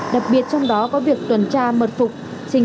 đặc biệt trong đó có việc tuần tra mật phục sinh sát hóa trang